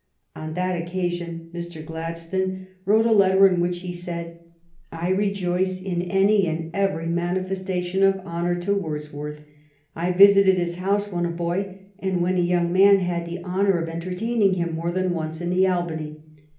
On that occasion Mr. Gladstone wrote a :mph by MauLL & Foi. 56 THE STORY OF GLADSTONE'S LIFE letter in which he said :" I rejoice in any and every manifestation of honor to Wordsworth. I visited his house when a boy, and when a young man had the honor of entertaining him more than once in the Albany.